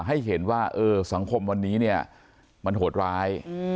ให้เห็นว่าสังคมวันนี้เนี่ยมันโหดร้าย